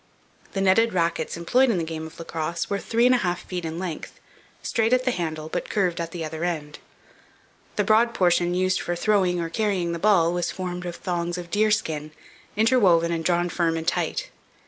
The netted rackets employed in the game of lacrosse were three and a half feet in length, straight at the handle but curved at the other end. The broad portion used for throwing or carrying the ball was formed of thongs of deerskin, interwoven and drawn firm and tight.